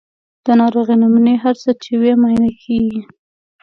د ناروغۍ نمونې هر څه چې وي معاینه کیږي.